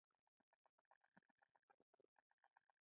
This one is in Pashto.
بغلان پوهنتون محصلینو د پاکستان پر ضد لاریون وکړ